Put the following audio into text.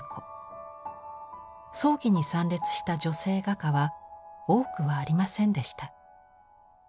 葬儀に参列した女性画家は多くはありませんでした。